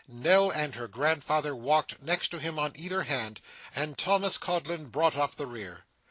Nell and her grandfather walked next him on either hand, and Thomas Codlin brought up the rear.